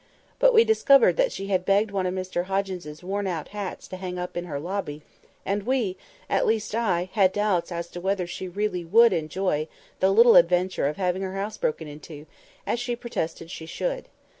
But we discovered that she had begged one of Mr Hoggins's worn out hats to hang up in her lobby, and we (at least I) had doubts as to whether she really would enjoy the little adventure of having her house broken into, as she protested she should.